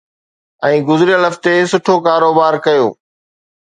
۽ گذريل هفتي سٺو ڪاروبار ڪيو